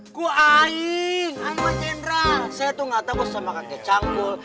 aku anggap sama general saya tuh gak tebus sama kakek canggul